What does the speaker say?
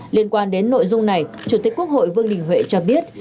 liên quan đến nội dung này chủ tịch quốc hội vương đình huệ cho biết